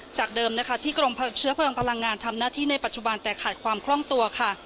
จากเดิมนะคะที่กรมเชื้อเพลิงพลังงานทำหน้าที่ในปัจจุบันแต่ขาดความคล่องตัวค่ะ